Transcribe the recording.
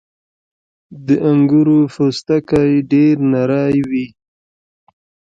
• د انګورو پوستکی ډېر نری وي.